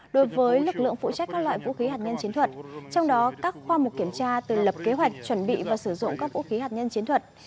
đối với lực lượng phụ trách các loại vũ khí hạt nhân chiến thuật trong đó các khoa mục kiểm tra từ lập kế hoạch chuẩn bị và sử dụng các vũ khí hạt nhân chiến thuật